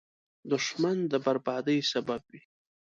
دښمن د بربادۍ سبب وي